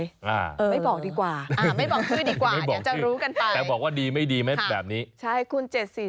แต่บอกว่าดีไม่ดีไหมแบบนี้